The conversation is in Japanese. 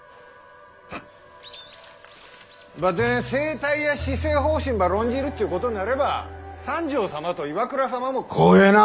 ばってん政体や施政方針ば論じるっちゅうことになれば三条様と岩倉様もこん席に。